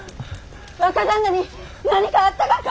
若旦那に何かあったがか！？